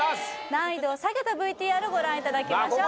難易度を下げたＶＴＲをご覧いただきましょう